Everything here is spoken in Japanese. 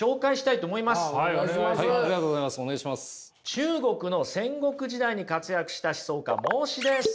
中国の戦国時代に活躍した思想家孟子です。